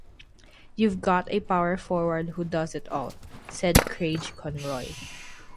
"You've got a power forward who does it all," said Craig Conroy.